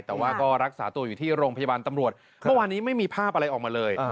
แต่ว่าก็รักษาตัวอยู่ที่โรงพยาบาลตำรวจเมื่อวานนี้ไม่มีภาพอะไรออกมาเลย